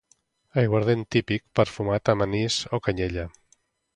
aiguardent típic perfumat amb anís o canyella